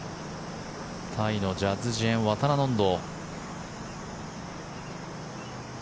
タイのジャズ・ジェーンワタナノンド。